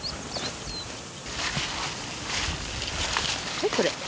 はいこれ。